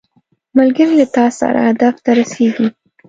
ملګری له تا سره هدف ته رسیږي